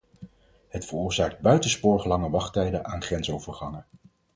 Het veroorzaakt buitensporig lange wachttijden aan grensovergangen.